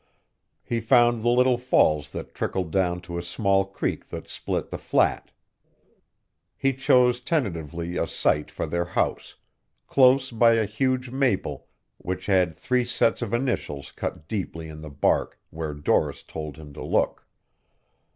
He found the little falls that trickled down to a small creek that split the flat. He chose tentatively a site for their house, close by a huge maple which had three sets of initials cut deeply in the bark where Doris told him to look.